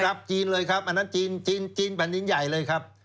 จีนเลยครับอันนั้นจีนจีนแผ่นดินใหญ่เลยครับ